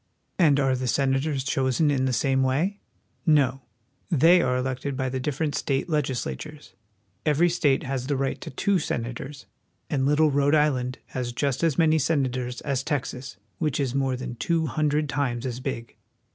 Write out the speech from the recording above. And are the senators chosen in the same way? No ; they are elected by the difTerent state legislatures. Every state has the right to two senators, and little Rhode Island has just as many senators as Texas, which is more than two hundred times as big.